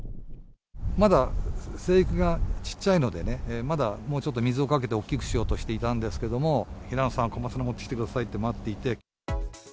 まだ生育がちっちゃいのでね、まだ水をかけて大きくしようとしていたんですけれども、皆さん、小松菜持ってきてくださいって待っていて。